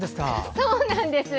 そうなんです。